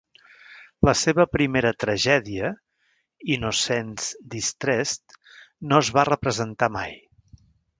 La seva primera tragèdia, "Innocence Distress'd", no es va representar mai.